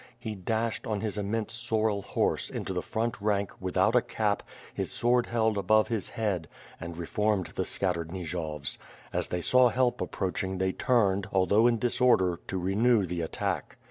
He dashed, on his immense sorrel horse, into the front rank, without a cap, his sword held above his head, and re formed the scattered Nijovs. As they saw help approaching they turned, although in disorder, to renew the attack.